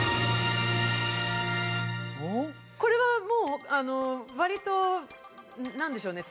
これはもう割と何でしょうね